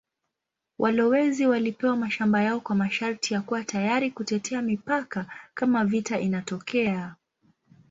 Walowezi walipewa mashamba yao kwa masharti ya kuwa tayari kutetea mipaka kama vita inatokea.